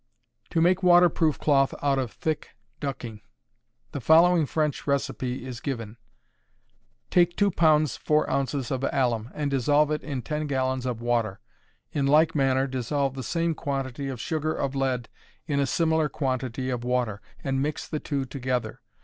To make Waterproof Cloth out of thick Ducking. The following French recipe is given: Take two pounds four ounces of alum, and dissolve it in ten gallons of water. In like manner dissolve the same quantity of sugar of lead in a similar quantity of water, and mix the two together.